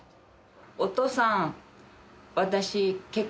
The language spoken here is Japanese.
お父さん。